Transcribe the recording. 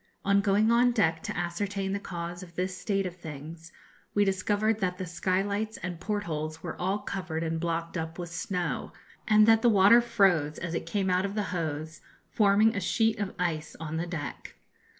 On going on deck to ascertain the cause of this state of things, we discovered that the sky lights and portholes were all covered and blocked up with snow, and that the water froze as it came out of the hose, forming a sheet of ice on the deck.